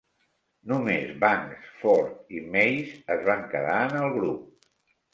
Només Banks, Ford i Mayes es van quedar en el grup.